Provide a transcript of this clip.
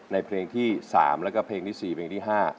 เพลงที่๓แล้วก็เพลงที่๔เพลงที่๕